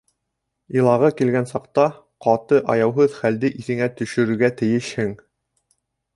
Илағы килгән саҡта, ҡаты һәм аяуһыҙ хәлде иҫеңә төшөрөргә тейешһең.